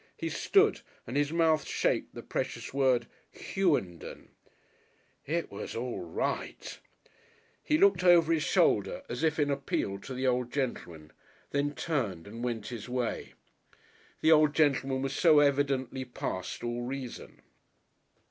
He stood and his mouth shaped the precious word, "Hughenden." It was all right! He looked over his shoulder as if in appeal to the old gentleman, then turned and went his way. The old gentleman was so evidently past all reason!